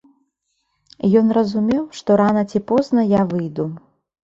Ён разумеў, што рана ці позна я выйду.